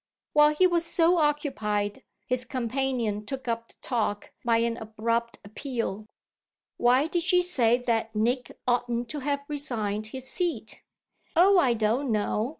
While he was so occupied his companion took up the talk by an abrupt appeal. "Why did she say that Nick oughtn't to have resigned his seat?" "Oh I don't know.